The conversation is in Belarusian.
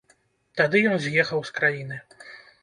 Тады ён з'ехаў з краіны.